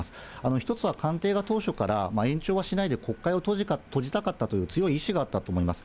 １つは官邸が当初から延長はしないで国会を閉じたかったという強い意志があったと思います。